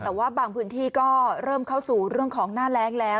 แต่ว่าบางพื้นที่ก็เริ่มเข้าสู่เรื่องของหน้าแรงแล้ว